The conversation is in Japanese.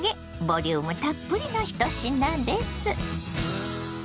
ボリュームたっぷりの１品です。